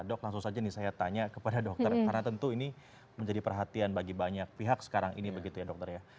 dok langsung saja nih saya tanya kepada dokter karena tentu ini menjadi perhatian bagi banyak pihak sekarang ini begitu ya dokter ya